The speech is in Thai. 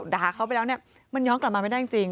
หรือว่าหาเขาไปแล้วมันย้อนกลับมาไม่ได้จริง